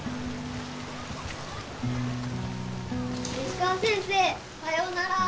石川先生さようなら。